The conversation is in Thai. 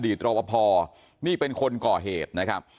อดีตรอพพอนี่เป็นคนก่อเหตุนะครับ